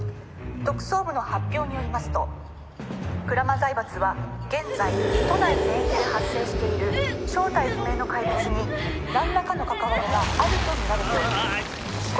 「特捜部の発表によりますと鞍馬財閥は現在都内全域で発生している正体不明の怪物になんらかの関わりがあるとみられており」